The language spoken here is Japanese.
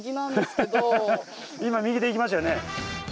今右でいきましたよね。